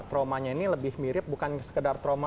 traumanya ini lebih mirip bukan sekedar trauma